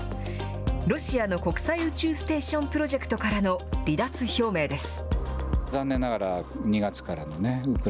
ロシアの国際宇宙ステーションプロジェクトからの離脱表明です。